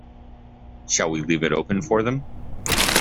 Shall we leave it open for them?